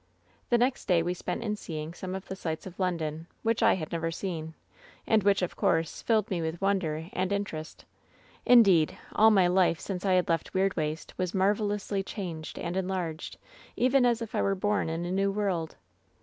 "The next day we spent in seeing some of the sights of London, which I had never seen, and which, of course, filled me with wonder and interest — indeed, all my life since I had left Weirdwaste was marvelously changed and enlarged, even as if I were bom in a new world.